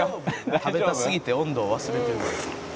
「食べたすぎて温度を忘れてる」